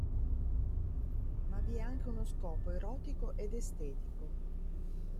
Ma vi è anche uno scopo erotico ed estetico.